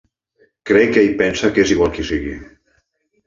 Crec que ell pensa que és igual qui sigui.